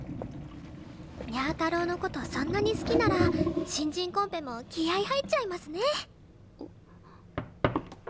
にゃ太郎の事そんなに好きなら新人コンペも気合入っちゃいますね！